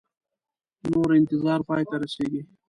نور انتظار پای ته رسیږي